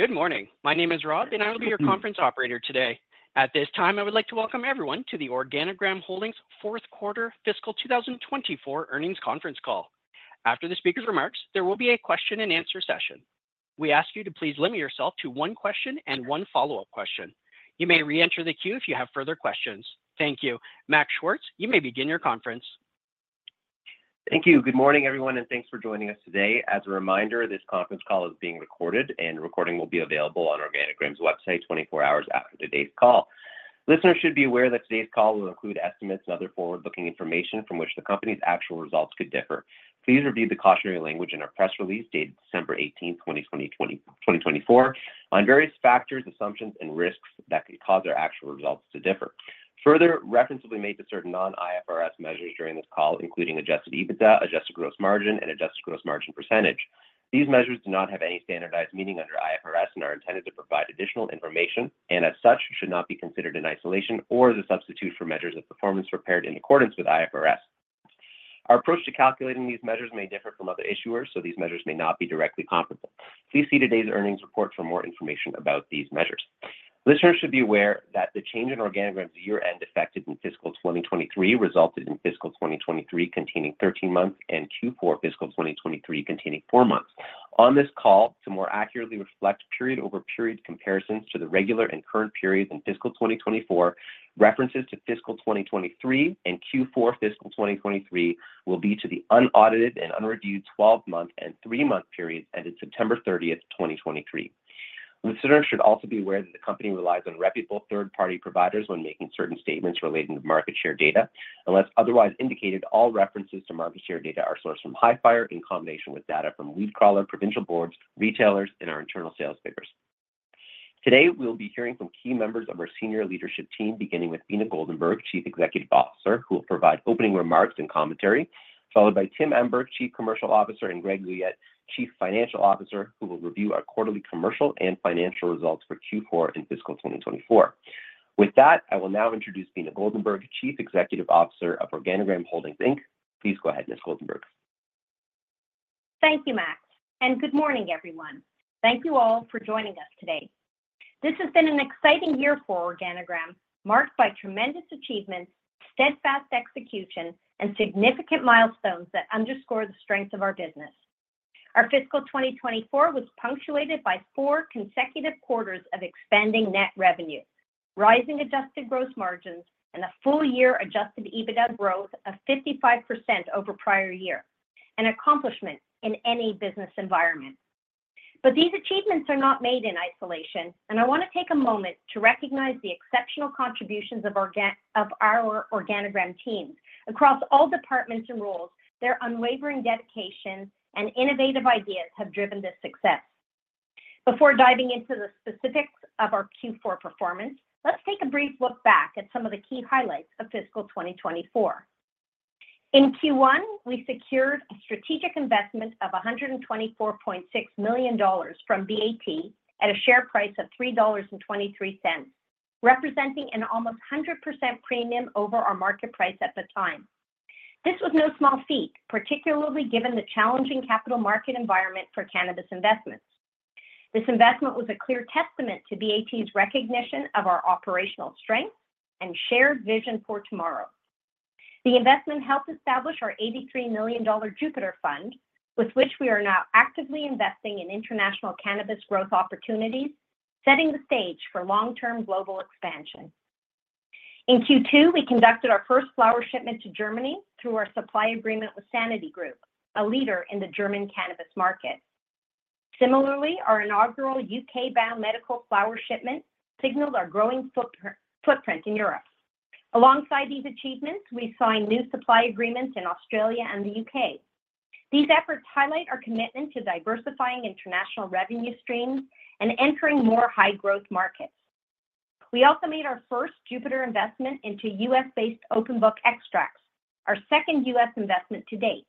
Good morning. My name is Rob, and I will be your conference operator today. At this time, I would like to welcome everyone to the Organigram Holdings' fourth quarter fiscal 2024 earnings conference call. After the speaker's remarks, there will be a question-and-answer session. We ask you to please limit yourself to one question and one follow-up question. You may re-enter the queue if you have further questions. Thank you. Max Schwartz, you may begin your conference. Thank you. Good morning, everyone, and thanks for joining us today. As a reminder, this conference call is being recorded, and the recording will be available on Organigram's website 24 hours after today's call. Listeners should be aware that today's call will include estimates and other forward-looking information from which the company's actual results could differ. Please review the cautionary language in our press release dated December 18, 2024, on various factors, assumptions, and risks that could cause our actual results to differ. Further reference will be made to certain non-IFRS measures during this call, including adjusted EBITDA, adjusted gross margin, and adjusted gross margin percentage. These measures do not have any standardized meaning under IFRS and are intended to provide additional information and, as such, should not be considered in isolation or as a substitute for measures of performance prepared in accordance with IFRS. Our approach to calculating these measures may differ from other issuers, so these measures may not be directly comparable. Please see today's earnings report for more information about these measures. Listeners should be aware that the change in Organigram's year-end effect in fiscal 2023 resulted in fiscal 2023 containing 13 months and Q4 fiscal 2023 containing 4 months. On this call, to more accurately reflect period-over-period comparisons to the regular and current periods in fiscal 2024, references to fiscal 2023 and Q4 fiscal 2023 will be to the unaudited and unreviewed 12-month and 3-month periods ended September 30, 2023. Listeners should also be aware that the company relies on reputable third-party providers when making certain statements relating to market share data. Unless otherwise indicated, all references to market share data are sourced from Hifyre in combination with data from WeedCrawler, Provincial Boards, retailers, and our internal sales figures. Today, we'll be hearing from key members of our senior leadership team, beginning with Beena Goldenberg, Chief Executive Officer, who will provide opening remarks and commentary, followed by Tim Emberg, Chief Commercial Officer, and Greg Guyatt, Chief Financial Officer, who will review our quarterly commercial and financial results for Q4 in fiscal 2024. With that, I will now introduce Beena Goldenberg, Chief Executive Officer of Organigram Holdings Inc. Please go ahead, Ms. Goldenberg. Thank you, Max. Good morning, everyone. Thank you all for joining us today. This has been an exciting year for Organigram, marked by tremendous achievements, steadfast execution, and significant milestones that underscore the strength of our business. Our fiscal 2024 was punctuated by four consecutive quarters of expanding net revenue, rising adjusted gross margins, and a full-year Adjusted EBITDA growth of 55% over prior years, an accomplishment in any business environment. These achievements are not made in isolation, and I want to take a moment to recognize the exceptional contributions of our Organigram teams across all departments and roles. Their unwavering dedication and innovative ideas have driven this success. Before diving into the specifics of our Q4 performance, let's take a brief look back at some of the key highlights of fiscal 2024. In Q1, we secured a strategic investment of 124.6 million dollars from BAT at a share price of 3.23 dollars, representing an almost 100% premium over our market price at the time. This was no small feat, particularly given the challenging capital market environment for cannabis investments. This investment was a clear testament to BAT's recognition of our operational strengths and shared vision for tomorrow. The investment helped establish our 83 million dollar Jupiter Fund, with which we are now actively investing in international cannabis growth opportunities, setting the stage for long-term global expansion. In Q2, we conducted our first flower shipment to Germany through our supply agreement with Sanity Group, a leader in the German cannabis market. Similarly, our inaugural U.K.-bound medical flower shipment signaled our growing footprint in Europe. Alongside these achievements, we signed new supply agreements in Australia and the U.K. These efforts highlight our commitment to diversifying international revenue streams and entering more high-growth markets. We also made our first Jupiter investment into U.S.-based Open Book Extracts, our second U.S. investment to date.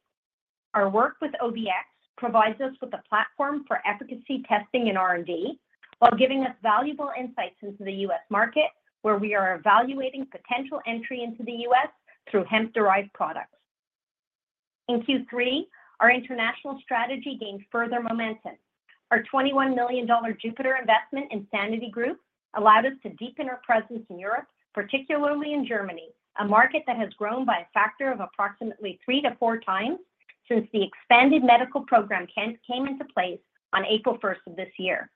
Our work with OBX provides us with a platform for efficacy testing and R&D, while giving us valuable insights into the U.S. market, where we are evaluating potential entry into the U.S. through hemp-derived products. In Q3, our international strategy gained further momentum. Our 21 million dollar Jupiter investment in Sanity Group allowed us to deepen our presence in Europe, particularly in Germany, a market that has grown by a factor of approximately three to four times since the expanded medical program came into place on April 1 of this year.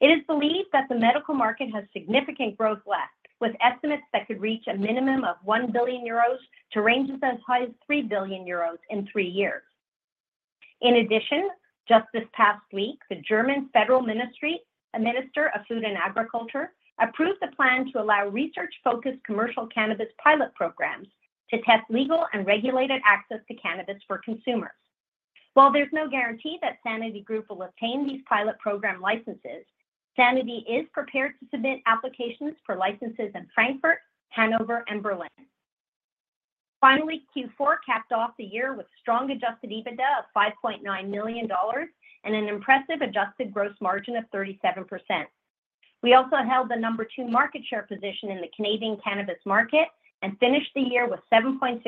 It is believed that the medical market has significant growth left, with estimates that could reach a minimum of €1 billion to ranges as high as €3 billion in three years. In addition, just this past week, the German Federal Ministry of Food and Agriculture approved the plan to allow research-focused commercial cannabis pilot programs to test legal and regulated access to cannabis for consumers. While there's no guarantee that Sanity Group will obtain these pilot program licenses, Sanity is prepared to submit applications for licenses in Frankfurt, Hanover, and Berlin. Finally, Q4 capped off the year with strong Adjusted EBITDA of $5.9 million and an impressive Adjusted gross margin of 37%. We also held the number two market share position in the Canadian cannabis market and finished the year with 7.6%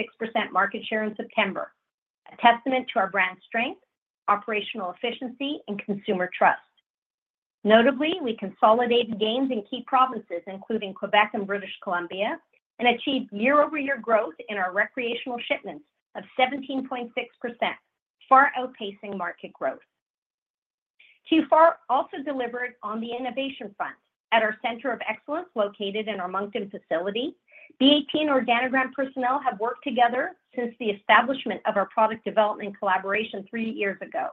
market share in September, a testament to our brand strength, operational efficiency, and consumer trust. Notably, we consolidated gains in key provinces, including Quebec and British Columbia, and achieved year-over-year growth in our recreational shipments of 17.6%, far outpacing market growth. Q4 also delivered on the Innovation Fund. At our Centre of Excellence, located in our Moncton facility, BAT and Organigram personnel have worked together since the establishment of our product development collaboration three years ago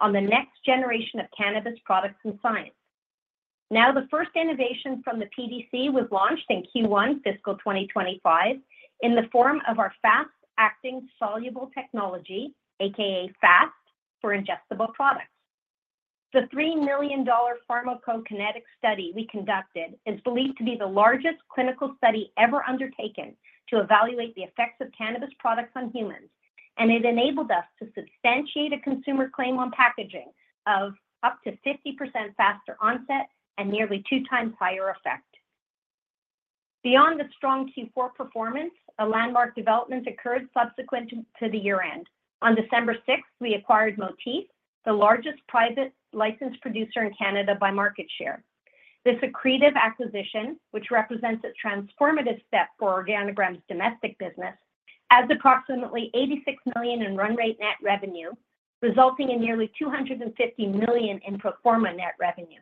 on the next generation of cannabis products and science. Now, the first innovation from the PDC was launched in Q1 fiscal 2025 in the form of our Fast-Acting Soluble Technology, aka FAST, for ingestible products. The $3 million pharmacokinetic study we conducted is believed to be the largest clinical study ever undertaken to evaluate the effects of cannabis products on humans, and it enabled us to substantiate a consumer claim on packaging of up to 50% faster onset and nearly two times higher effect. Beyond the strong Q4 performance, a landmark development occurred subsequent to the year-end. On December 6, we acquired Motif, the largest private licensed producer in Canada by market share. This accretive acquisition, which represents a transformative step for Organigram's domestic business, adds approximately 86 million in run rate net revenue, resulting in nearly 250 million in pro forma net revenue.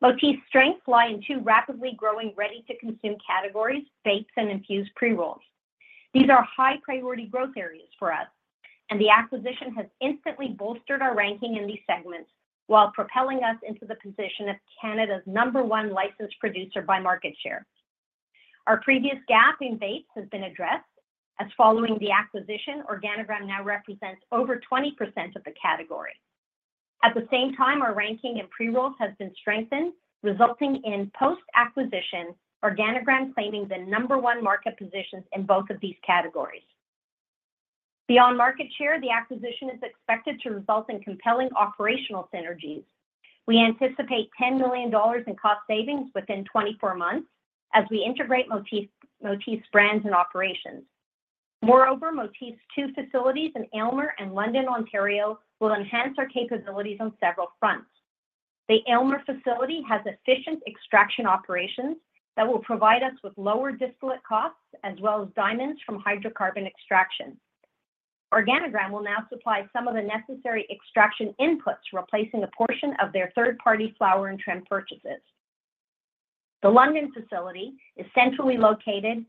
Motif's strengths lie in two rapidly growing ready-to-consume categories: vapes and infused pre-rolls. These are high-priority growth areas for us, and the acquisition has instantly bolstered our ranking in these segments while propelling us into the position of Canada's number one licensed producer by market share. Our previous gap in vapes has been addressed. As following the acquisition, Organigram now represents over 20% of the category. At the same time, our ranking in pre-rolls has been strengthened, resulting in post-acquisition Organigram claiming the number one market positions in both of these categories. Beyond market share, the acquisition is expected to result in compelling operational synergies. We anticipate 10 million dollars in cost savings within 24 months as we integrate Motif's brands and operations. Moreover, Motif's two facilities in Aylmer and London, Ontario, will enhance our capabilities on several fronts. The Aylmer facility has efficient extraction operations that will provide us with lower discount costs as well as diamonds from hydrocarbon extraction. Organigram will now supply some of the necessary extraction inputs, replacing a portion of their third-party flower and trim purchases. The London facility is a centrally located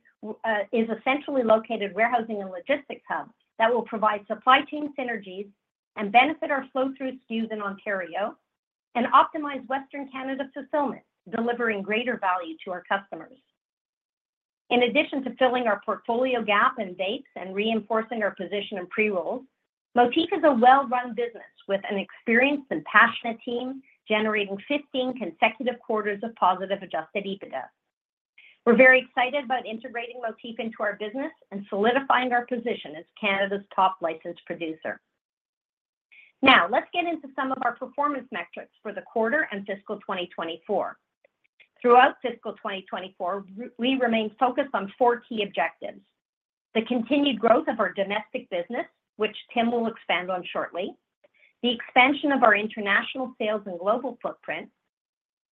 warehousing and logistics hub that will provide supply chain synergies and benefit our flow-through SKUs in Ontario and optimize Western Canada fulfillment, delivering greater value to our customers. In addition to filling our portfolio gap in vapes and reinforcing our position in pre-rolls, Motif is a well-run business with an experienced and passionate team generating 15 consecutive quarters of positive adjusted EBITDA. We're very excited about integrating Motif into our business and solidifying our position as Canada's top licensed producer. Now, let's get into some of our performance metrics for the quarter and fiscal 2024. Throughout fiscal 2024, we remained focused on four key objectives: the continued growth of our domestic business, which Tim will expand on shortly, the expansion of our international sales and global footprint,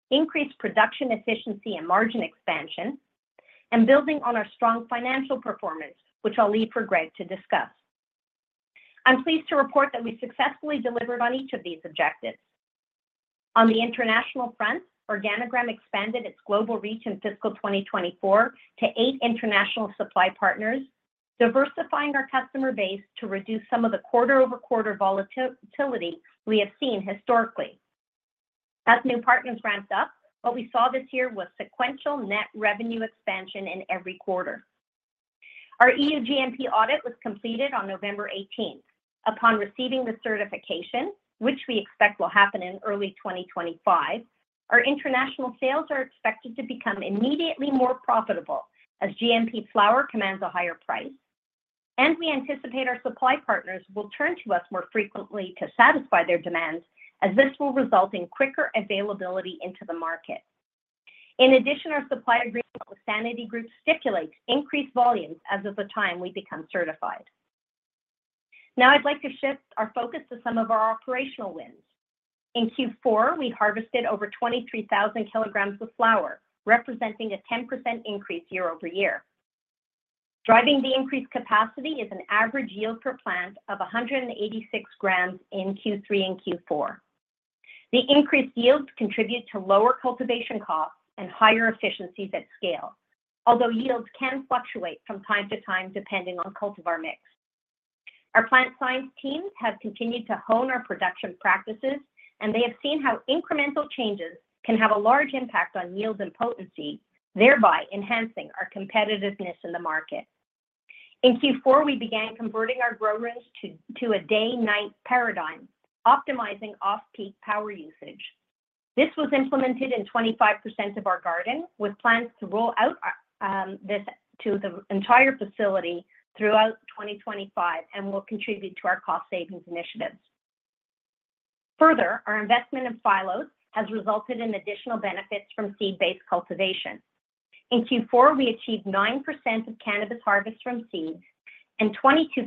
increased production efficiency and margin expansion, and building on our strong financial performance, which I'll leave for Greg to discuss. I'm pleased to report that we successfully delivered on each of these objectives. On the international front, Organigram expanded its global reach in fiscal 2024 to eight international supply partners, diversifying our customer base to reduce some of the quarter-over-quarter volatility we have seen historically. As new partners ramped up, what we saw this year was sequential net revenue expansion in every quarter. Our EU GMP audit was completed on November 18. Upon receiving the certification, which we expect will happen in early 2025, our international sales are expected to become immediately more profitable as GMP flower commands a higher price, and we anticipate our supply partners will turn to us more frequently to satisfy their demands, as this will result in quicker availability into the market. In addition, our supply agreement with Sanity Group stipulates increased volumes as of the time we become certified. Now, I'd like to shift our focus to some of our operational wins. In Q4, we harvested over 23,000 kilograms of flower, representing a 10% increase year-over-year. Driving the increased capacity is an average yield per plant of 186 grams in Q3 and Q4. The increased yields contribute to lower cultivation costs and higher efficiencies at scale, although yields can fluctuate from time to time depending on cultivar mix. Our plant science teams have continued to hone our production practices, and they have seen how incremental changes can have a large impact on yield and potency, thereby enhancing our competitiveness in the market. In Q4, we began converting our grow rooms to a day-night paradigm, optimizing off-peak power usage. This was implemented in 25% of our garden, with plans to roll out this to the entire facility throughout 2025 and will contribute to our cost savings initiatives. Further, our investment in Phylos has resulted in additional benefits from seed-based cultivation. In Q4, we achieved 9% of cannabis harvest from seeds and 22%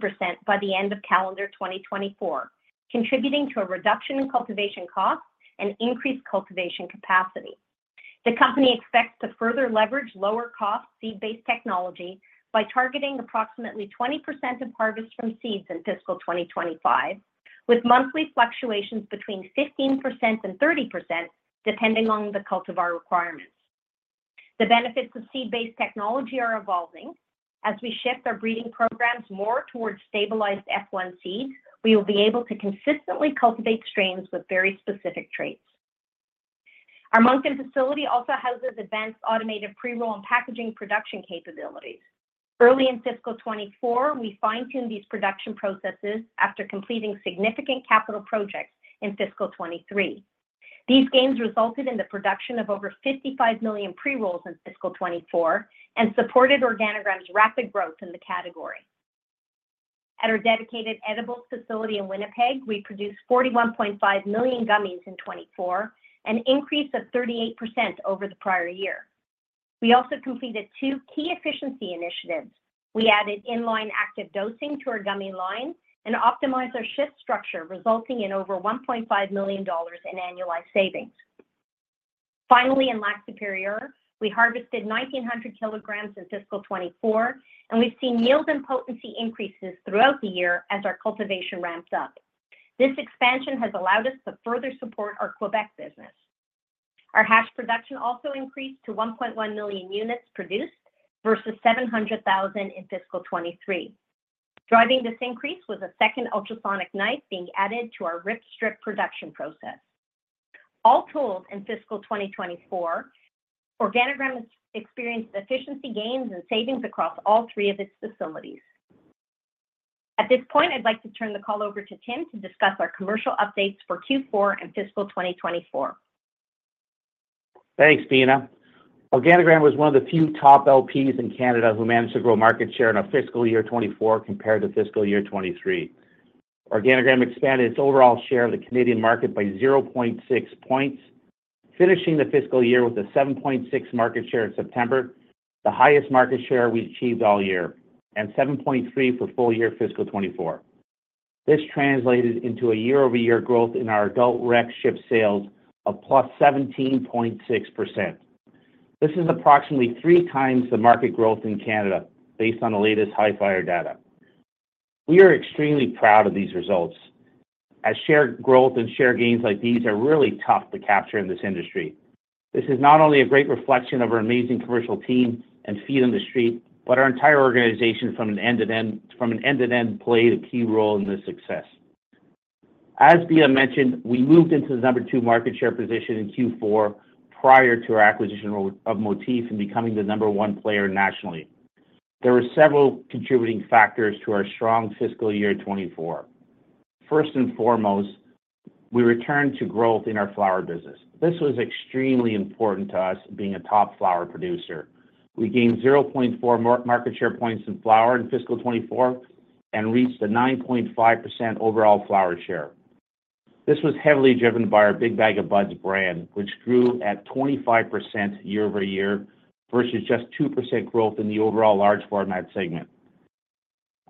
by the end of calendar 2024, contributing to a reduction in cultivation costs and increased cultivation capacity. The company expects to further leverage lower-cost seed-based technology by targeting approximately 20% of harvest from seeds in fiscal 2025, with monthly fluctuations between 15%-30% depending on the cultivar requirements. The benefits of seed-based technology are evolving. As we shift our breeding programs more towards stabilized F1 seeds, we will be able to consistently cultivate strains with very specific traits. Our Moncton facility also houses advanced automated pre-roll and packaging production capabilities. Early in fiscal 2024, we fine-tuned these production processes after completing significant capital projects in fiscal 2023. These gains resulted in the production of over 55 million pre-rolls in fiscal 2024 and supported Organigram's rapid growth in the category. At our dedicated edible facility in Winnipeg, we produced 41.5 million gummies in 2024, an increase of 38% over the prior year. We also completed two key efficiency initiatives. We added inline active dosing to our gummy line and optimized our shift structure, resulting in over 1.5 million dollars in annualized savings. Finally, in Lac-Supérieur, we harvested 1,900 kilograms in fiscal 2024, and we've seen yield and potency increases throughout the year as our cultivation ramped up. This expansion has allowed us to further support our Quebec business. Our hash production also increased to 1.1 million units produced versus 700,000 in fiscal 2023. Driving this increase was a second ultrasonic knife being added to our Rip-Strips production process. All told in fiscal 2024, Organigram experienced efficiency gains and savings across all three of its facilities. At this point, I'd like to turn the call over to Tim to discuss our commercial updates for Q4 and fiscal 2024. Thanks, Beena. Organigram was one of the few top LPs in Canada who managed to grow market share in our fiscal year 2024 compared to fiscal year 2023. Organigram expanded its overall share of the Canadian market by 0.6 points, finishing the fiscal year with a 7.6 market share in September, the highest market share we achieved all year, and 7.3 for full year fiscal 2024. This translated into a year-over-year growth in our adult rec sales of plus 17.6%. This is approximately three times the market growth in Canada based on the latest Hifyre data. We are extremely proud of these results, as share growth and share gains like these are really tough to capture in this industry. This is not only a great reflection of our amazing commercial team and feet on the street, but our entire organization from an end-to-end plays a key role in this success. As Beena mentioned, we moved into the number two market share position in Q4 prior to our acquisition of Motif and becoming the number one player nationally. There were several contributing factors to our strong fiscal year 2024. First and foremost, we returned to growth in our flower business. This was extremely important to us being a top flower producer. We gained 0.4 market share points in flower in fiscal 2024 and reached a 9.5% overall flower share. This was heavily driven by our Big Bag o’ Buds brand, which grew at 25% year-over-year versus just 2% growth in the overall large format segment.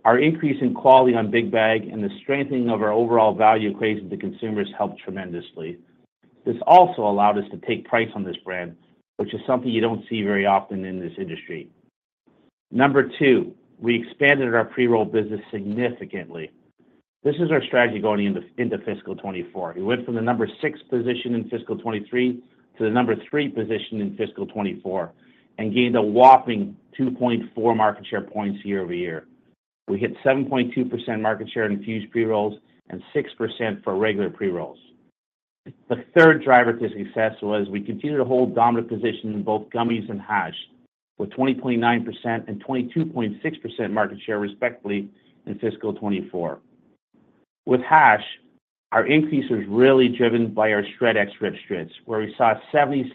Our increase in quality on Big Bag and the strengthening of our overall value equation to consumers helped tremendously. This also allowed us to take price on this brand, which is something you don't see very often in this industry. Number two, we expanded our pre-roll business significantly. This is our strategy going into fiscal 2024. We went from the number six position in fiscal 2023 to the number three position in fiscal 2024 and gained a whopping 2.4 market share points year-over-year. We hit 7.2% market share in infused pre-rolls and 6% for regular pre-rolls. The third driver to success was we continued to hold dominant position in both gummies and hash, with 20.9% and 22.6% market share respectively in fiscal 2024. With hash, our increase was really driven by our SHRED X Rip-Strips, where we saw 76%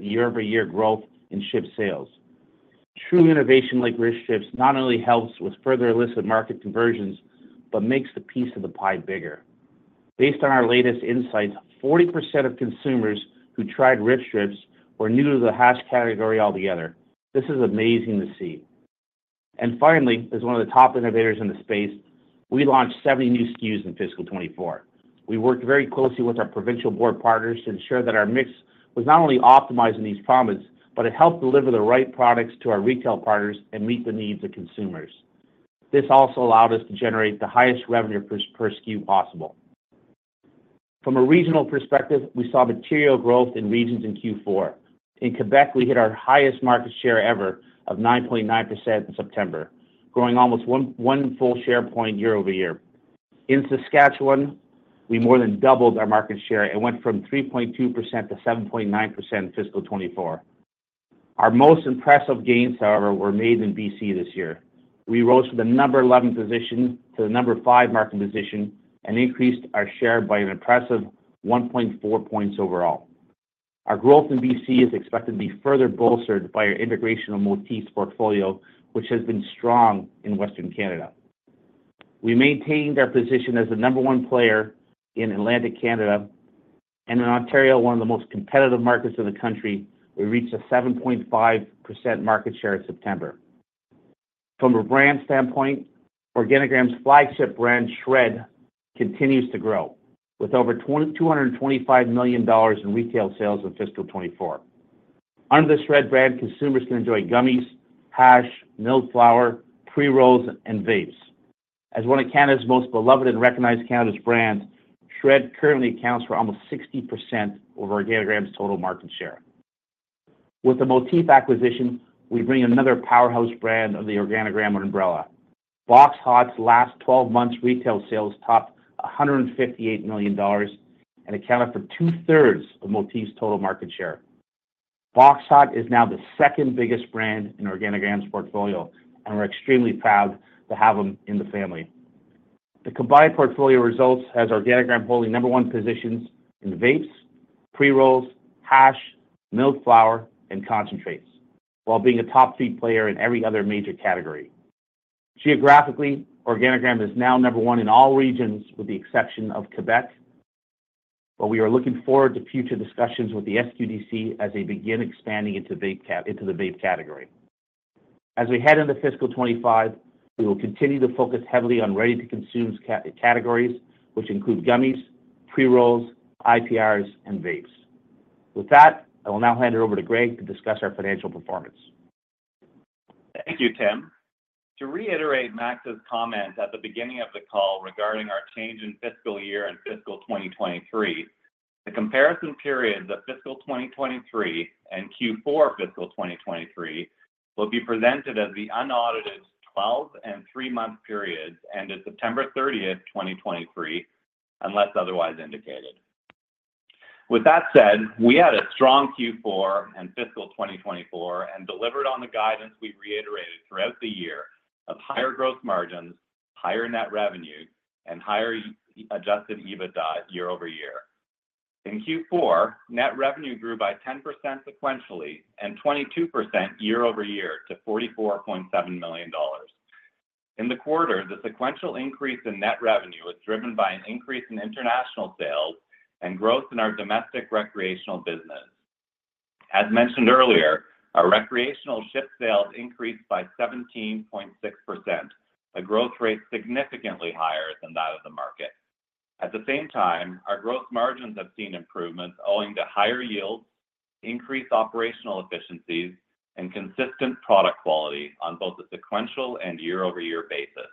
year-over-year growth in ship sales. True innovation like Rip-Strips not only helps with further illicit market conversions but makes the piece of the pie bigger. Based on our latest insights, 40% of consumers who tried Rip-Strips were new to the hash category altogether. This is amazing to see. Finally, as one of the top innovators in the space, we launched 70 new SKUs in fiscal 2024. We worked very closely with our provincial board partners to ensure that our mix was not only optimized in these provinces, but it helped deliver the right products to our retail partners and meet the needs of consumers. This also allowed us to generate the highest revenue per SKU possible. From a regional perspective, we saw material growth in regions in Q4. In Quebec, we hit our highest market share ever of 9.9% in September, growing almost one full share point year-over-year. In Saskatchewan, we more than doubled our market share and went from 3.2%-7.9% in fiscal 2024. Our most impressive gains, however, were made in BC this year. We rose from the number 11 position to the number five market position and increased our share by an impressive 1.4 points overall. Our growth in BC is expected to be further bolstered by our integration of Motif's portfolio, which has been strong in Western Canada. We maintained our position as the number one player in Atlantic Canada, and in Ontario, one of the most competitive markets in the country, we reached a 7.5% market share in September. From a brand standpoint, Organigram's flagship brand, SHRED, continues to grow with over $225 million in retail sales in fiscal 2024. Under the SHRED brand, consumers can enjoy gummies, hash, milled flower, pre-rolls, and vapes. As one of Canada's most beloved and recognized Canadian brands, SHRED currently accounts for almost 60% of Organigram's total market share. With the Motif acquisition, we bring another powerhouse brand under the Organigram umbrella. BOXHOT's last 12 months' retail sales topped 158 million dollars and accounted for two-thirds of Motif's total market share. BOXHOT is now the second biggest brand in Organigram's portfolio, and we're extremely proud to have them in the family. The combined portfolio results has Organigram holding number one positions in vapes, pre-rolls, hash, milled flower, and concentrates, while being a top three player in every other major category. Geographically, Organigram is now number one in all regions with the exception of Quebec, but we are looking forward to future discussions with the SQDC as they begin expanding into the vape category. As we head into fiscal 2025, we will continue to focus heavily on ready-to-consume categories, which include gummies, pre-rolls, IPRs, and vapes. With that, I will now hand it over to Greg to discuss our financial performance. Thank you, Tim. To reiterate Max's comment at the beginning of the call regarding our change in fiscal year and fiscal 2023, the comparison periods of fiscal 2023 and Q4 fiscal 2023 will be presented as the unaudited 12 and three-month periods ended September 30, 2023, unless otherwise indicated. With that said, we had a strong Q4 and fiscal 2024 and delivered on the guidance we reiterated throughout the year of higher gross margins, higher net revenue, and higher adjusted EBITDA year-over-year. In Q4, net revenue grew by 10% sequentially and 22% year-over-year to 44.7 million dollars. In the quarter, the sequential increase in net revenue was driven by an increase in international sales and growth in our domestic recreational business. As mentioned earlier, our recreational ship sales increased by 17.6%, a growth rate significantly higher than that of the market. At the same time, our gross margins have seen improvements owing to higher yields, increased operational efficiencies, and consistent product quality on both the sequential and year-over-year basis.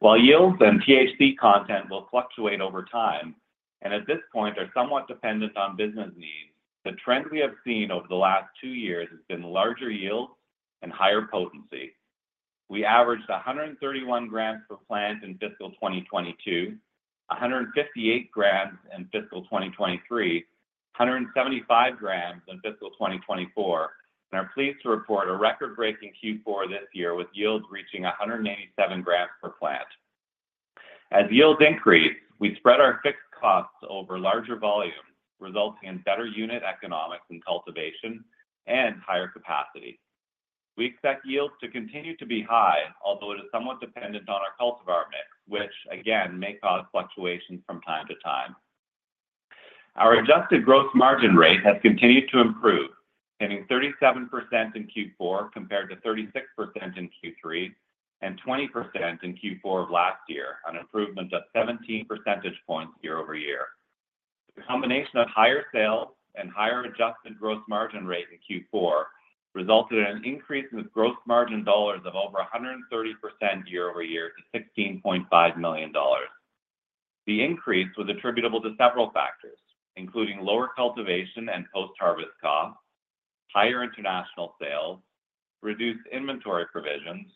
While yields and THC content will fluctuate over time and at this point are somewhat dependent on business needs, the trend we have seen over the last two years has been larger yields and higher potency. We averaged 131 grams per plant in fiscal 2022, 158 grams in fiscal 2023, 175 grams in fiscal 2024, and are pleased to report a record-breaking Q4 this year with yields reaching 187 grams per plant. As yields increase, we spread our fixed costs over larger volumes, resulting in better unit economics in cultivation and higher capacity. We expect yields to continue to be high, although it is somewhat dependent on our cultivar mix, which, again, may cause fluctuations from time to time. Our adjusted gross margin rate has continued to improve, hitting 37% in Q4 compared to 36% in Q3 and 20% in Q4 of last year, an improvement of 17 percentage points year-over-year. The combination of higher sales and higher adjusted gross margin rate in Q4 resulted in an increase in the gross margin dollars of over 130% year-over-year to 16.5 million dollars. The increase was attributable to several factors, including lower cultivation and post-harvest costs, higher international sales, reduced inventory provisions,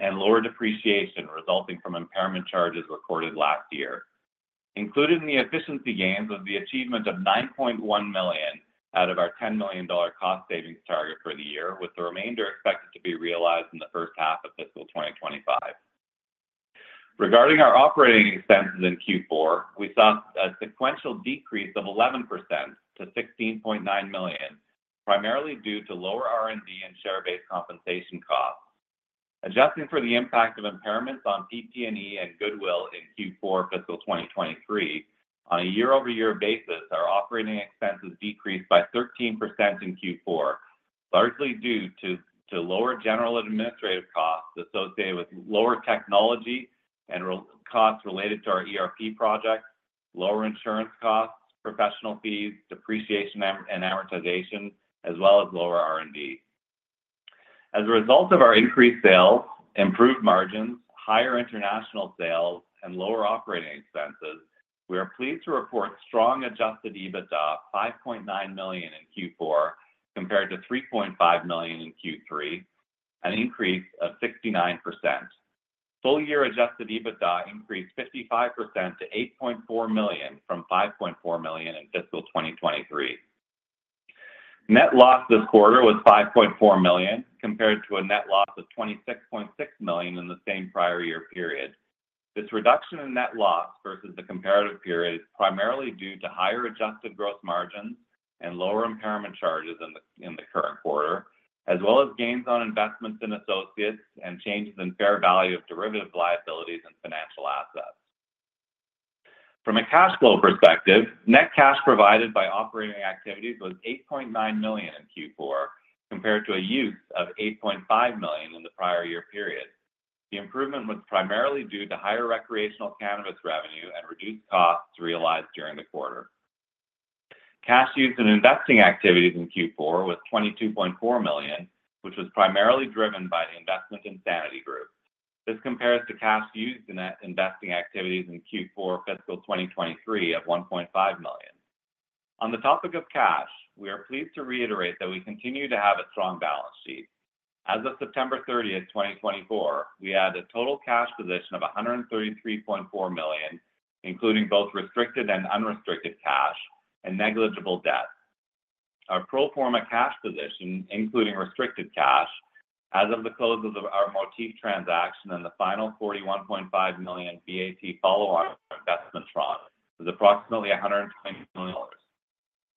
and lower depreciation resulting from impairment charges recorded last year. Included in the efficiency gains was the achievement of 9.1 million out of our 10 million dollar cost savings target for the year, with the remainder expected to be realized in the first half of fiscal 2025. Regarding our operating expenses in Q4, we saw a sequential decrease of 11% to $16.9 million, primarily due to lower R&D and share-based compensation costs. Adjusting for the impact of impairments on PP&E and Goodwill in Q4 fiscal 2023, on a year-over-year basis, our operating expenses decreased by 13% in Q4, largely due to lower general administrative costs associated with lower technology and costs related to our ERP projects, lower insurance costs, professional fees, depreciation and amortization, as well as lower R&D. As a result of our increased sales, improved margins, higher international sales, and lower operating expenses, we are pleased to report strong adjusted EBITDA, $5.9 million in Q4 compared to $3.5 million in Q3, an increase of 69%. Full year adjusted EBITDA increased 55% to $8.4 million from $5.4 million in fiscal 2023. Net loss this quarter was 5.4 million compared to a net loss of 26.6 million in the same prior year period. This reduction in net loss versus the comparative period is primarily due to higher adjusted gross margins and lower impairment charges in the current quarter, as well as gains on investments in associates and changes in fair value of derivative liabilities and financial assets. From a cash flow perspective, net cash provided by operating activities was 8.9 million in Q4 compared to a use of 8.5 million in the prior year period. The improvement was primarily due to higher recreational cannabis revenue and reduced costs realized during the quarter. Cash used in investing activities in Q4 was 22.4 million, which was primarily driven by investment in Sanity Group. This compares to cash used in investing activities in Q4 fiscal 2023 of 1.5 million. On the topic of cash, we are pleased to reiterate that we continue to have a strong balance sheet. As of September 30, 2024, we had a total cash position of 133.4 million, including both restricted and unrestricted cash and negligible debt. Our pro forma cash position, including restricted cash, as of the close of our Motif transaction and the final 41.5 million BAT follow-on investment from, was approximately 120 million dollars.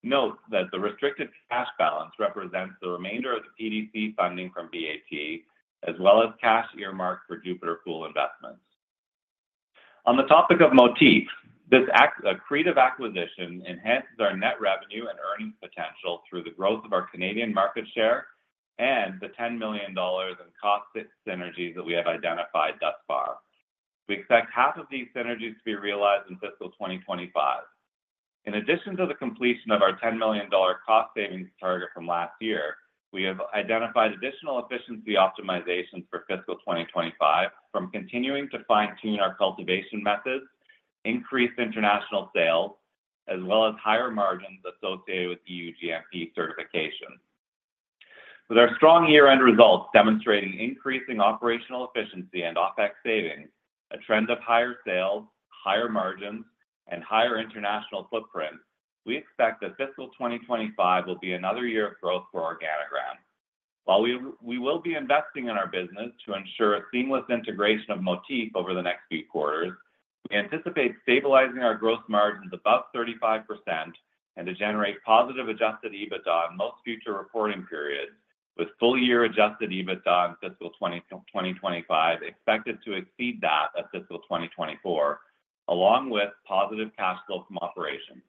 Note that the restricted cash balance represents the remainder of the PDC funding from BAT, as well as cash earmarked for Jupiter Pool investments. On the topic of Motif, this accretive acquisition enhances our net revenue and earnings potential through the growth of our Canadian market share and the 10 million dollars in cost synergies that we have identified thus far. We expect CAD 5 million of these synergies to be realized in fiscal 2025. In addition to the completion of our 10 million dollar cost savings target from last year, we have identified additional efficiency optimizations for fiscal 2025 from continuing to fine-tune our cultivation methods, increased international sales, as well as higher margins associated with EU GMP certification. With our strong year-end results demonstrating increasing operational efficiency and OpEx savings, a trend of higher sales, higher margins, and higher international footprint, we expect that fiscal 2025 will be another year of growth for Organigram. While we will be investing in our business to ensure a seamless integration of Motif over the next few quarters, we anticipate stabilizing our gross margins above 35% and to generate positive adjusted EBITDA in most future reporting periods, with full year adjusted EBITDA in fiscal 2025 expected to exceed that at fiscal 2024, along with positive cash flow from operations.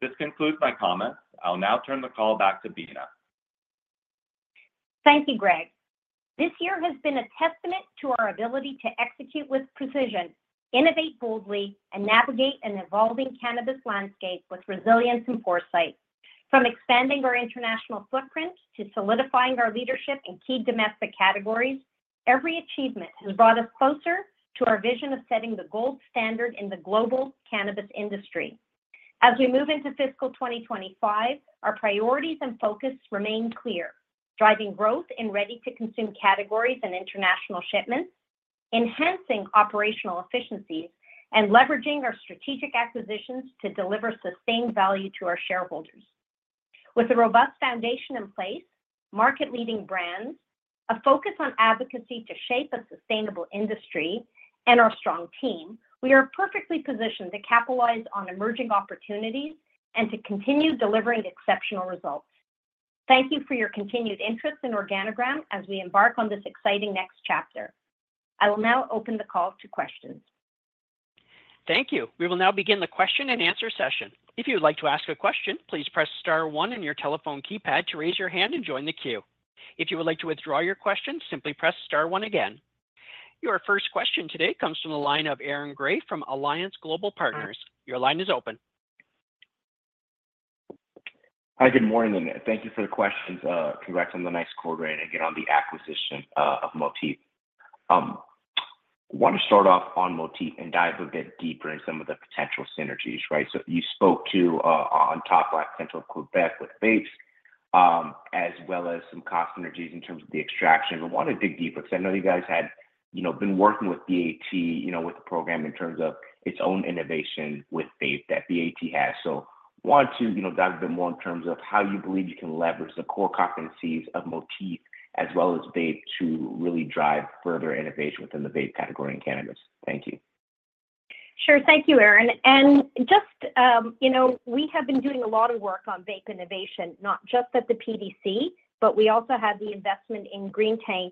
This concludes my comments. I'll now turn the call back to Beena. Thank you, Greg. This year has been a testament to our ability to execute with precision, innovate boldly, and navigate an evolving cannabis landscape with resilience and foresight. From expanding our international footprint to solidifying our leadership in key domestic categories, every achievement has brought us closer to our vision of setting the gold standard in the global cannabis industry. As we move into fiscal 2025, our priorities and focus remain clear: driving growth in ready-to-consume categories and international shipments, enhancing operational efficiencies, and leveraging our strategic acquisitions to deliver sustained value to our shareholders. With a robust foundation in place, market-leading brands, a focus on advocacy to shape a sustainable industry, and our strong team, we are perfectly positioned to capitalize on emerging opportunities and to continue delivering exceptional results. Thank you for your continued interest in Organigram as we embark on this exciting next chapter. I will now open the call to questions. Thank you. We will now begin the question and answer session. If you would like to ask a question, please press star one in your telephone keypad to raise your hand and join the queue. If you would like to withdraw your question, simply press star one again. Your first question today comes from the line of Aaron Grey from Alliance Global Partners. Your line is open. Hi, good morning, Beena. Thank you for the question. Congrats on the nice quarter and again on the acquisition of Motif. I want to start off on Motif and dive a bit deeper in some of the potential synergies, right? So you spoke to on top of potential Quebec with vapes, as well as some cost synergies in terms of the extraction. I want to dig deeper because I know you guys had been working with BAT, with the program in terms of its own innovation with vape that BAT has. So I want to dive a bit more in terms of how you believe you can leverage the core competencies of Motif as well as vape to really drive further innovation within the vape category in cannabis. Thank you. Sure. Thank you, Aaron. And just we have been doing a lot of work on vape innovation, not just at the PDC, but we also have the investment in Greentank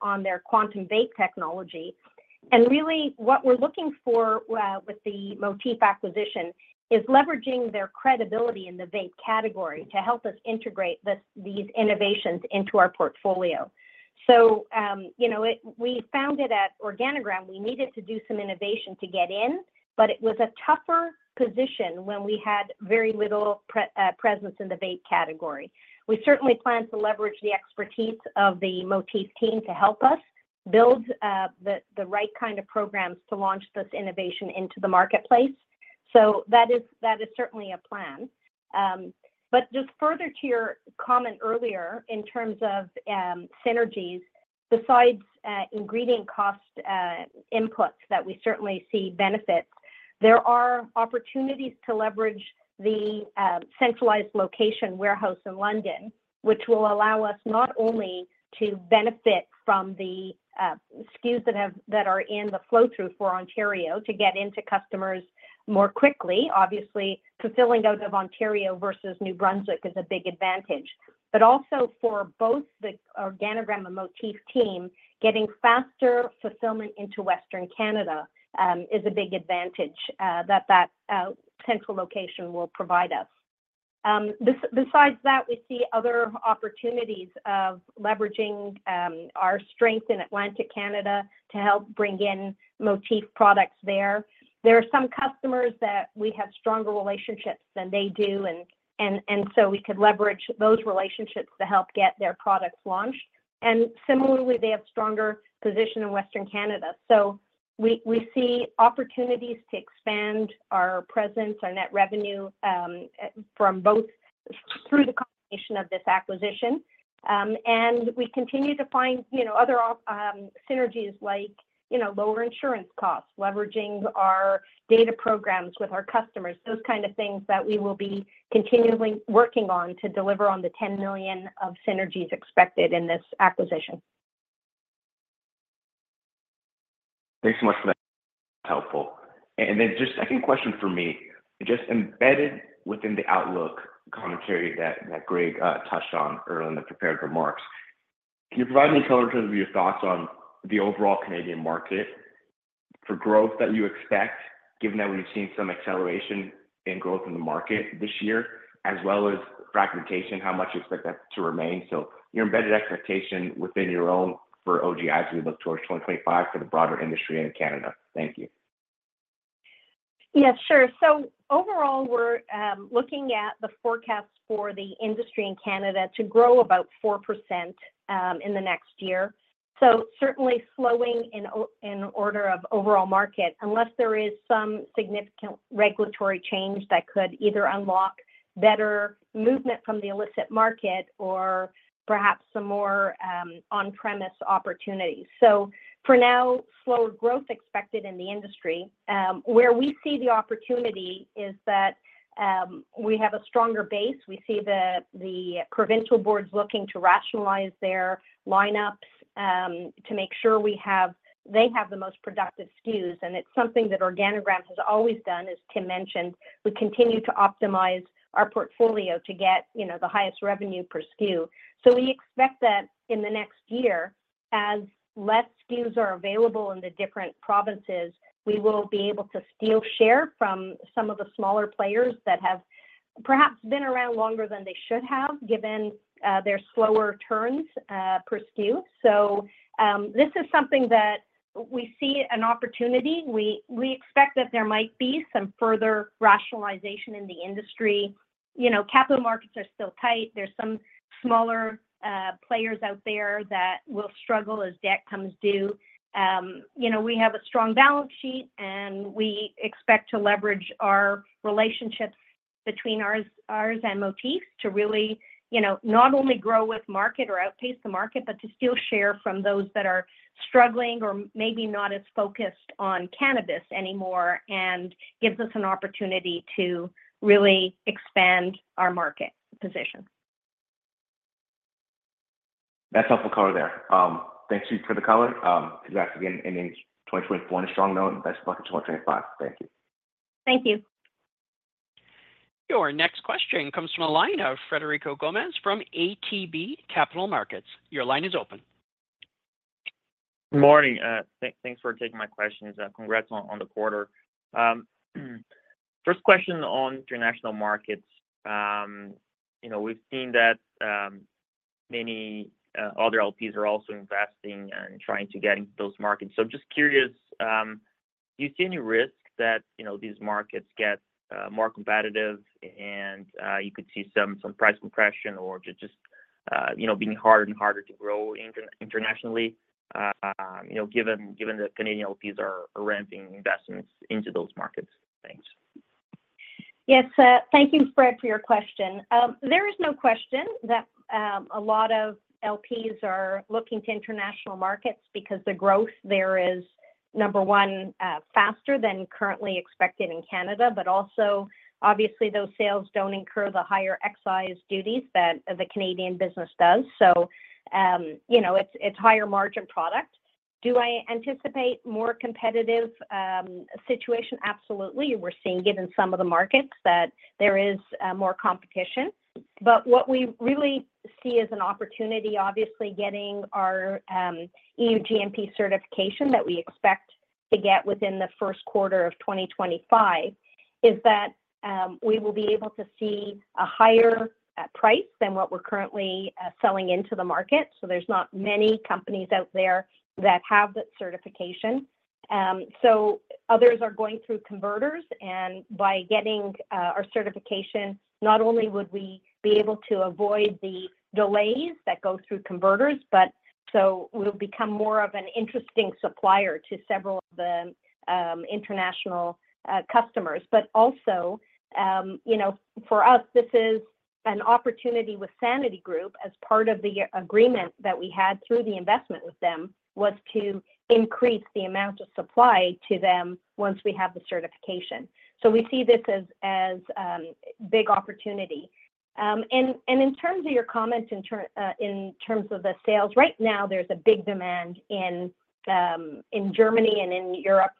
on their quantum vape technology. Really, what we're looking for with the Motif acquisition is leveraging their credibility in the vape category to help us integrate these innovations into our portfolio. We found it at Organigram. We needed to do some innovation to get in, but it was a tougher position when we had very little presence in the vape category. We certainly plan to leverage the expertise of the Motif team to help us build the right kind of programs to launch this innovation into the marketplace. That is certainly a plan. Just further to your comment earlier in terms of synergies, besides ingredient cost inputs that we certainly see benefits, there are opportunities to leverage the centralized location warehouse in London, which will allow us not only to benefit from the SKUs that are in the flow-through for Ontario to get into customers more quickly. Obviously, fulfilling out of Ontario versus New Brunswick is a big advantage. But also for both the Organigram and Motif team, getting faster fulfillment into Western Canada is a big advantage that central location will provide us. Besides that, we see other opportunities of leveraging our strength in Atlantic Canada to help bring in Motif products there. There are some customers that we have stronger relationships than they do, and so we could leverage those relationships to help get their products launched. And similarly, they have stronger position in Western Canada. So we see opportunities to expand our presence, our net revenue from both through the combination of this acquisition. We continue to find other synergies like lower insurance costs, leveraging our data programs with our customers, those kinds of things that we will be continually working on to deliver on the 10 million of synergies expected in this acquisition. Thanks so much for that. It's helpful. Then just second question for me, just embedded within the outlook commentary that Greg touched on earlier in the prepared remarks, can you provide me some of your thoughts on the overall Canadian market for growth that you expect, given that we've seen some acceleration in growth in the market this year, as well as fragmentation, how much you expect that to remain? So your embedded expectation within your own for OGI as we look towards 2025 for the broader industry in Canada. Thank you. Yes, sure. So overall, we're looking at the forecast for the industry in Canada to grow about 4% in the next year. Certainly slowing in order of overall market, unless there is some significant regulatory change that could either unlock better movement from the illicit market or perhaps some more on-premise opportunities. For now, slower growth cted in the industry. Where we see the opportunity is that we have a stronger base. We see the provincial boards looking to rationalize their lineups to make sure they have the most productive SKUs. It's something that Organigram has always done, as Tim mentioned. We continue to optimize our portfolio to get the highest revenue per SKU. So we expect that in the next year, as less SKUs are available in the different provinces, we will be able to steal share from some of the smaller players that have perhaps been around longer than they should have, given their slower turns per SKU. So this is something that we see an opportunity. We expect that there might be some further rationalization in the industry. Capital markets are still tight. There's some smaller players out there that will struggle as debt comes due. We have a strong balance sheet, and we expect to leverage our relationships between ours and Motif to really not only grow with market or outpace the market, but to steal share from those that are struggling or maybe not as focused on cannabis anymore and gives us an opportunity to really expand our market position. That's helpful color there. Thanks for the color. Congrats again in 2024 and a strong note in the best market 2025. Thank you. Thank you. Your next question comes from Frederico Gomes from ATB Capital Markets. Your line is open. Good morning. Thanks for taking my questions. Congrats on the quarter. First question on international markets. We've seen that many other LPs are also investing and trying to get into those markets. So I'm just curious, do you see any risk that these markets get more competitive and you could see some price compression or just being harder and harder to grow internationally given the Canadian LPs are ramping investments into those markets? Thanks. Yes, thank you, Fred, for your question. There is no question that a lot of LPs are looking to international markets because the growth there is, number one, faster than currently expected in Canada, but also, obviously, those sales don't incur the higher excise duties that the Canadian business does, so it's higher margin product. Do I anticipate more competitive situation? Absolutely. We're seeing it in some of the markets that there is more competition. But what we really see as an opportunity, obviously, getting our EU GMP certification that we expect to get within the first quarter of 2025, is that we will be able to see a higher price than what we're currently selling into the market, so there's not many companies out there that have that certification, so others are going through converters. By getting our certification, not only would we be able to avoid the delays that go through converters, but so we'll become more of an interesting supplier to several of the international customers. Also, for us, this is an opportunity with Sanity Group as part of the agreement that we had through the investment with them was to increase the amount of supply to them once we have the certification. We see this as a big opportunity. In terms of your comment in terms of the sales, right now, there's a big demand in Germany and in Europe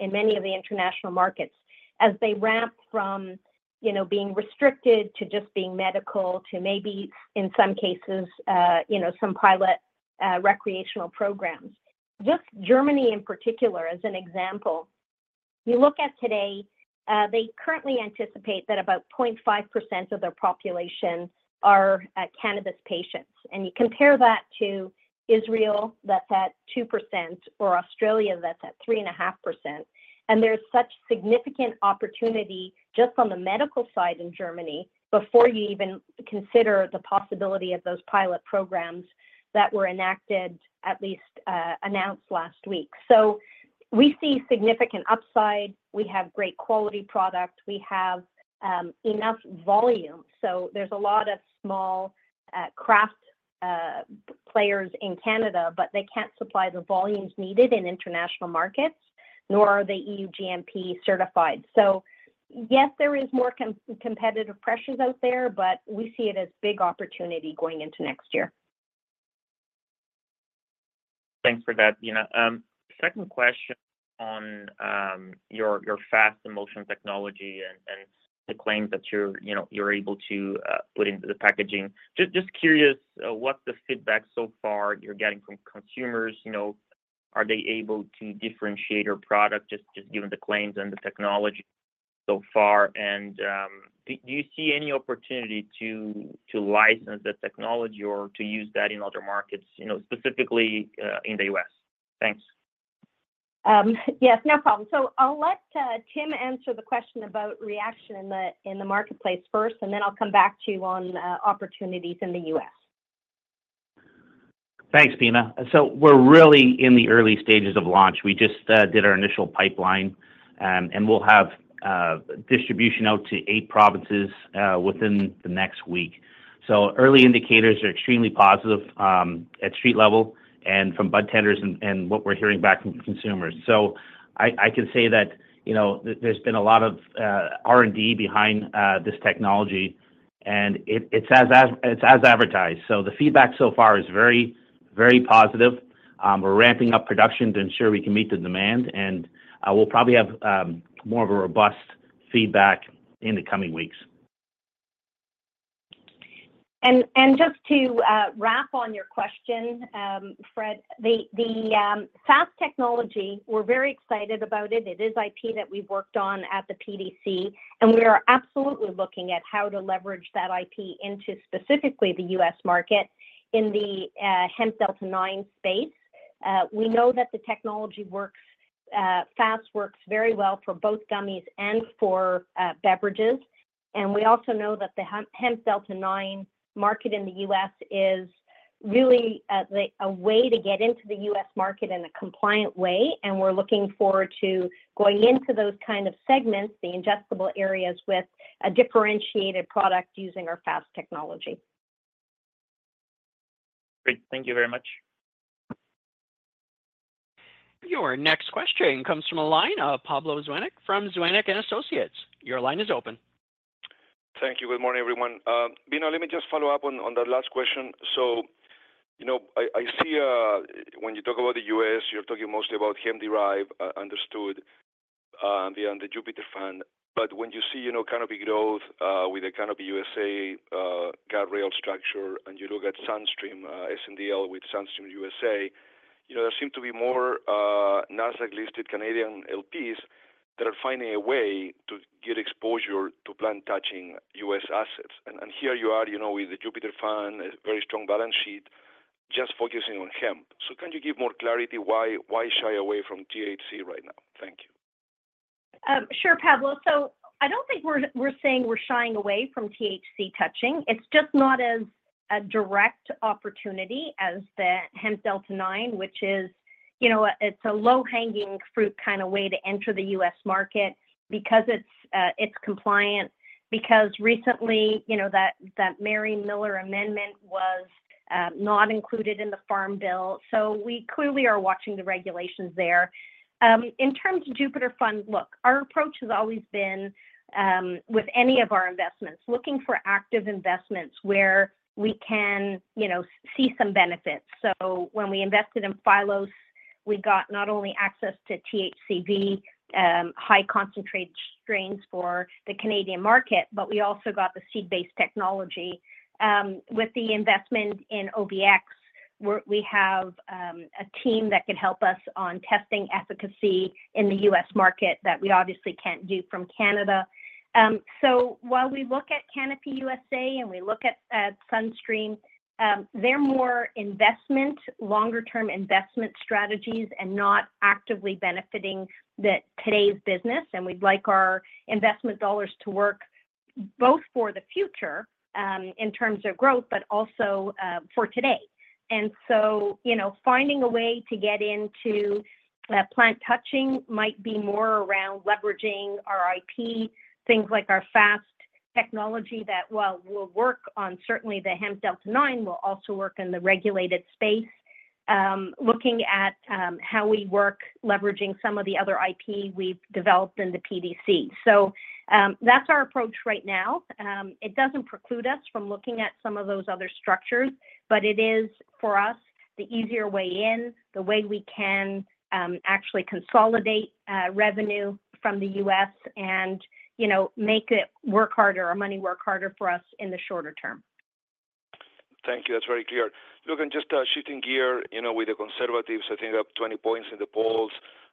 in many of the international markets as they ramp from being restricted to just being medical to maybe, in some cases, some pilot recreational programs. Just Germany in particular, as an example, you look at today, they currently anticipate that about 0.5% of their population are cannabis patients. You compare that to Israel, that's at 2%, or Australia, that's at 3.5%. And there's such significant opportunity just on the medical side in Germany before you even consider the possibility of those pilot programs that were enacted, at least announced last week. So we see significant upside. We have great quality product. We have enough volume. So there's a lot of small craft players in Canada, but they can't supply the volumes needed in international markets, nor are they EU GMP certified. So yes, there is more competitive pressures out there, but we see it as a big opportunity going into next year. Thanks for that, Beena. Second question on your FAST emulsion technology and the claims that you're able to put into the packaging. Just curious what's the feedback so far you're getting from consumers? Are they able to differentiate your product just given the claims and the technology so far? And do you see any opportunity to license the technology or to use that in other markets, specifically in the US? Thanks. Yes, no problem. So I'll let Tim answer the question about reaction in the marketplace first, and then I'll come back to you on opportunities in the US. Thanks, Beena. So we're really in the early stages of launch. We just did our initial pipeline, and we'll have distribution out to eight provinces within the next week. So early indicators are extremely positive at street level and from bud tenders and what we're hearing back from consumers. So I can say that there's been a lot of R&D behind this technology, and it's as advertised. So the feedback so far is very, very positive. We're ramping up production to ensure we can meet the demand, and we'll probably have more of a robust feedback in the coming weeks. Just to wrap on your question, Fred, the FAST technology, we're very excited about it. It is IP that we've worked on at the PDC, and we are absolutely looking at how to leverage that IP into specifically the U.S. market in the hemp Delta-9 space. We know that the technology works. FAST works very well for both gummies and for beverages. We also know that the hemp Delta-9 market in the U.S. is really a way to get into the U.S. market in a compliant way. We're looking forward to going into those kinds of segments, the ingestible areas with a differentiated product using our FAST technology. Great. Thank you very much. Your next question comes from Pablo Zuanic from Zuanic & Associates. Your line is open. Thank you. Good morning, everyone. Beena, let me just follow up on that last question. So I see when you talk about the US, you're talking mostly about hemp-derived, understood, and the Jupiter fund. But when you see Canopy Growth with the Canopy USA Canopy USA structure, and you look at Sunstream SNDL with Sunstream USA, there seem to be more NASDAQ-listed Canadian LPs that are finding a way to get exposure to plant-touching US assets. And here you are with the Jupiter fund, a very strong balance sheet, just focusing on hemp. So can you give more clarity why shy away from THC right now? Thank you. Sure, Pablo. So I don't think we're saying we're shying away from THC touching. It's just not as a direct opportunity as the hemp Delta-9, which is a low-hanging fruit kind of way to enter the U.S. market because it's compliant, because recently that Mary Miller amendment was not included in the Farm Bill. So we clearly are watching the regulations there. In terms of Jupiter fund, look, our approach has always been, with any of our investments, looking for active investments where we can see some benefits. So when we invested in Phylos, we got not only access to THCV, high-concentrated strains for the Canadian market, but we also got the seed-based technology. With the investment in OBX, we have a team that can help us on testing efficacy in the U.S. market that we obviously can't do from Canada. So, while we look at Canopy USA and we look at Sunstream, they're more investment, longer-term investment strategies and not actively benefiting today's business. And we'd like our investment dollars to work both for the future in terms of growth, but also for today. And so finding a way to get into plant touching might be more around leveraging our IP, things like our fast technology that, well, will work on certainly the hemp Delta-9, will also work in the regulated space, looking at how we work leveraging some of the other IP we've developed in the PDC. So that's our approach right now. It doesn't preclude us from looking at some of those other structures, but it is, for us, the easier way in, the way we can actually consolidate revenue from the U.S. and make it work harder, our money work harder for us in the shorter term. Thank you. That's very clear. Look, I'm just shifting gear with the Conservatives. I think up 20 points in the polls.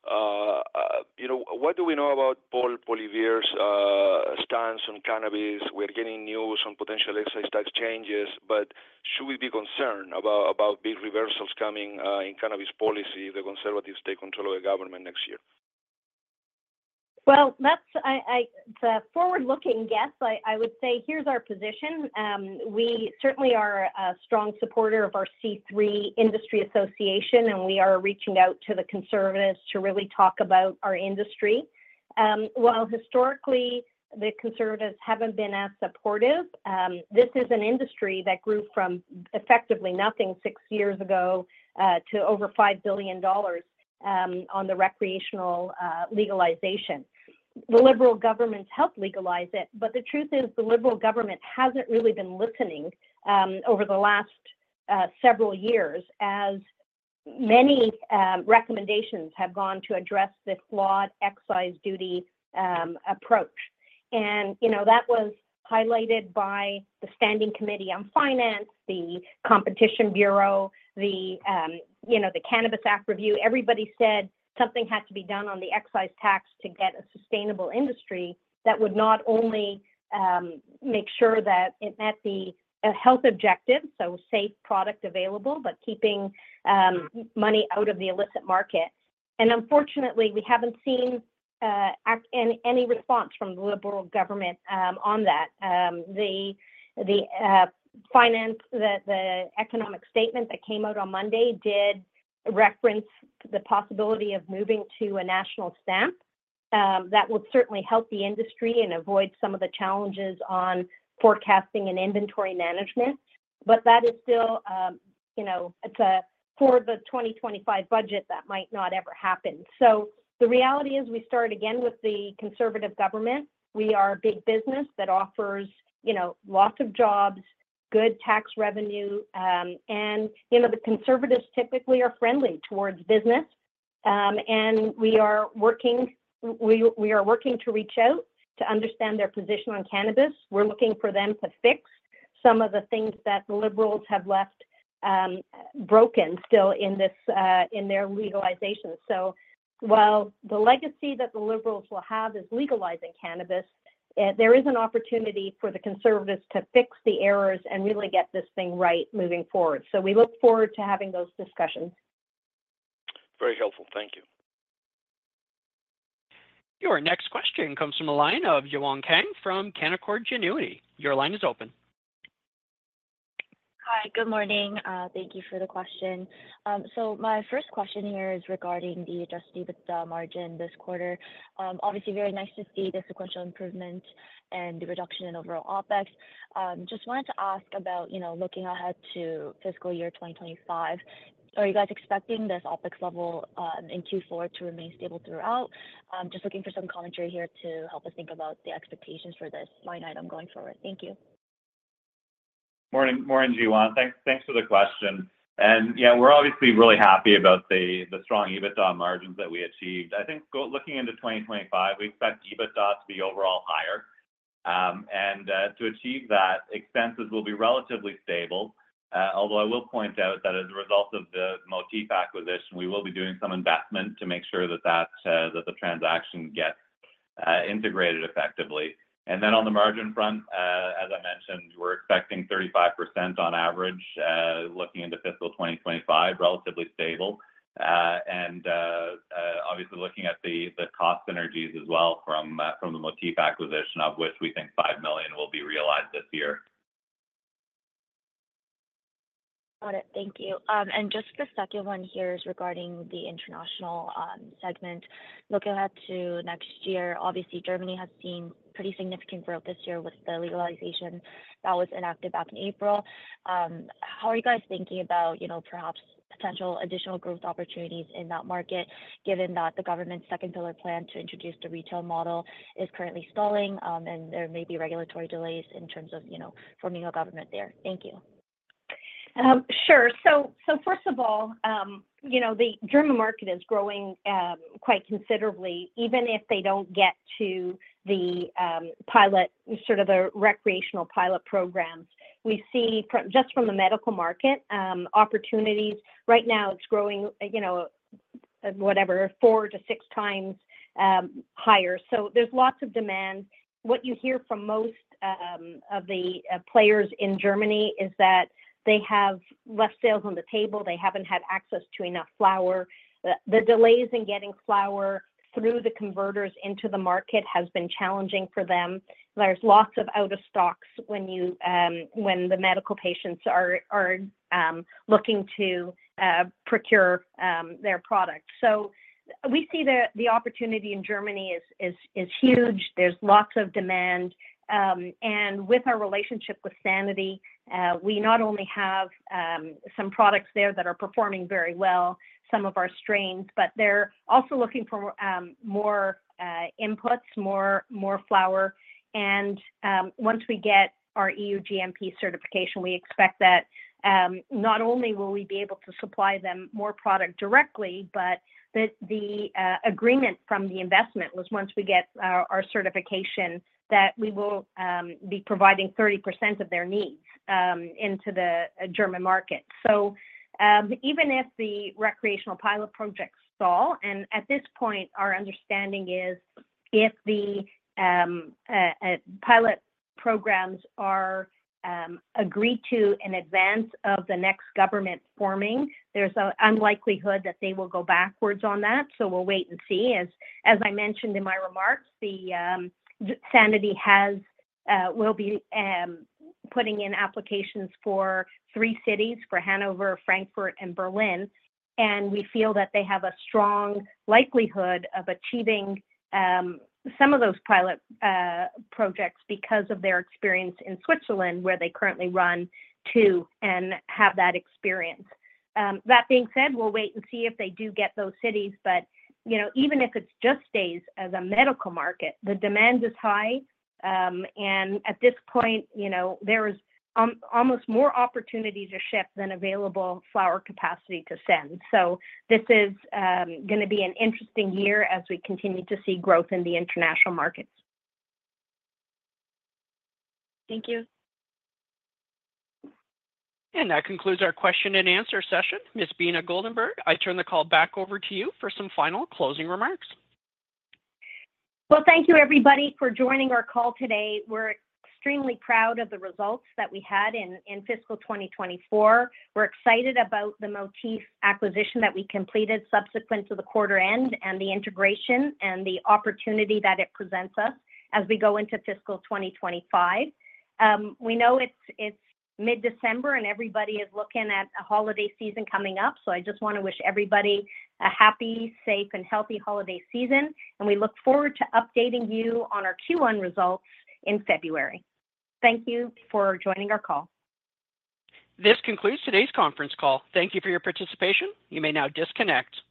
What do we know about Pierre Poilievre's stance on cannabis? We're getting news on potential excise tax changes, but should we be concerned about big reversals coming in cannabis policy if the Conservatives take control of the government next year? Well, that's a forward-looking guess. I would say here's our position. We certainly are a strong supporter of our C3 Industry Association, and we are reaching out to the Conservatives to really talk about our industry. While historically, the Conservatives haven't been as supportive, this is an industry that grew from effectively nothing six years ago to over 5 billion dollars on the recreational legalization. The Liberal government helped legalize it, but the truth is the Liberal government hasn't really been listening over the last several years as many recommendations have gone to address this flawed excise duty approach, and that was highlighted by the Standing Committee on Finance, the Competition Bureau, the Cannabis Act Review. Everybody said something had to be done on the excise tax to get a sustainable industry that would not only make sure that it met the health objectives, so safe product available, but keeping money out of the illicit market, and unfortunately, we haven't seen any response from the Liberal government on that. The economic statement that came out on Monday did reference the possibility of moving to a national stamp. That will certainly help the industry and avoid some of the challenges on forecasting and inventory management. But that is still, for the 2025 budget, that might not ever happen. So the reality is we start again with the Conservative government. We are a big business that offers lots of jobs, good tax revenue. And the Conservatives typically are friendly towards business. And we are working to reach out to understand their position on cannabis. We're looking for them to fix some of the things that the Liberals have left broken still in their legalization. So while the legacy that the Liberals will have is legalizing cannabis, there is an opportunity for the Conservatives to fix the errors and really get this thing right moving forward. So we look forward to having those discussions. Very helpful. Thank you. Your next question comes from Yewon Kang from Canaccord Genuity. Your line is open. Hi. Good morning. Thank you for the question. So my first question here is regarding the adjusted EBITDA margin this quarter. Obviously, very nice to see the sequential improvement and the reduction in overall OpEx. Just wanted to ask about looking ahead to fiscal year 2025. Are you guys expecting this OpEx level in Q4 to remain stable throughout? Just looking for some commentary here to help us think about the expectations for this line item going forward. Thank you. Morning, Yewon. Thanks for the question. And yeah, we're obviously really happy about the strong EBITDA margins that we achieved. I think looking into 2025, we expect EBITDA to be overall higher. And to achieve that, expenses will be relatively stable. Although I will point out that as a result of the Motif acquisition, we will be doing some investment to make sure that the transaction gets integrated effectively. And then on the margin front, as I mentioned, we're expecting 35% on average looking into fiscal 2025, relatively stable. And obviously, looking at the cost synergies as well from the Motif acquisition, of which we think 5 million will be realized this year. Got it. Thank you. And just the second one here is regarding the international segment. Looking ahead to next year, obviously, Germany has seen pretty significant growth this year with the legalization that was enacted back in April. How are you guys thinking about perhaps potential additional growth opportunities in that market, given that the government's second pillar plan to introduce the retail model is currently stalling and there may be regulatory delays in terms of forming a government there? Thank you. Sure. So first of all, the German market is growing quite considerably, even if they don't get to the pilot, sort of the recreational pilot programs. We see just from the medical market opportunities. Right now, it's growing whatever, four to six times higher. So there's lots of demand. What you hear from most of the players in Germany is that they have less sales on the table. They haven't had access to enough flower. The delays in getting flower through the converters into the market have been challenging for them. There's lots of out-of-stocks when the medical patients are looking to procure their product. We see the opportunity in Germany is huge. There's lots of demand. And with our relationship with Sanity, we not only have some products there that are performing very well, some of our strains, but they're also looking for more inputs, more flower. And once we get our EU GMP certification, we expect that not only will we be able to supply them more product directly, but the agreement from the investment was once we get our certification that we will be providing 30% of their needs into the German market. So even if the recreational pilot project stall, and at this point, our understanding is if the pilot programs are agreed to in advance of the next government forming, there's an unlikelihood that they will go backwards on that. So we'll wait and see. As I mentioned in my remarks, Sanity will be putting in applications for three cities, for Hanover, Frankfurt, and Berlin, and we feel that they have a strong likelihood of achieving some of those pilot projects because of their experience in Switzerland, where they currently run two, and have that experience. That being said, we'll wait and see if they do get those cities, but even if it's just stays as a medical market, the demand is high, and at this point, there is almost more opportunity to ship than available flower capacity to send, so this is going to be an interesting year as we continue to see growth in the international markets. Thank you And that concludes our question and answer session. Ms. Beena Goldenberg, I turn the call back over to you for some final closing remarks, well, thank you, everybody, for joining our call today. We're extremely proud of the results that we had in fiscal 2024. We're excited about the Motif acquisition that we completed subsequent to the quarter end and the integration and the opportunity that it presents us as we go into fiscal 2025. We know it's mid-December, and everybody is looking at a holiday season coming up. So I just want to wish everybody a happy, safe, and healthy holiday season, and we look forward to updating you on our Q1 results in February. Thank you for joining our call. This concludes today's conference call. Thank you for your participation. You may now disconnect.